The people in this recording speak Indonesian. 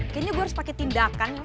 kayanya gue harus pake tindakan